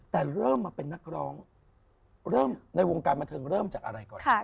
แต่เริ่มมาเป็นนักร้องเริ่มในวงการบันเทิงเริ่มจากอะไรก่อน